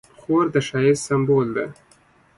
خور د ښایست سمبول ده.